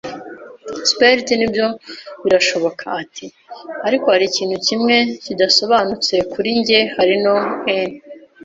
“Sperrit? Nibyo, birashoboka. ” Ati: “Ariko hari ikintu kimwe kidasobanutse kuri njye. Hariho an